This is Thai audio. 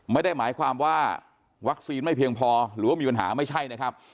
ไม่ได้หมายความว่าวัคซีนไม่เพียงพอหรือว่ามีปัญหาไม่ใช่นะครับ